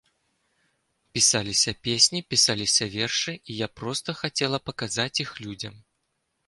Пісаліся песні, пісаліся вершы, і я проста хацела паказаць іх людзям.